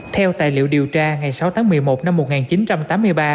theo tài liệu điều tra ngày sáu tháng một mươi một năm một nghìn chín trăm chín mươi năm